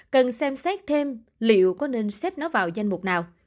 cần xem xét thêm liệu có nên xếp nó vào danh mục nào